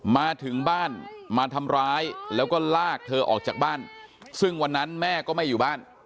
มาถึงบ้านมาทำร้ายแล้วก็ลากเธอออกจากบ้านซึ่งวันนั้นแม่ก็ไม่อยู่บ้าน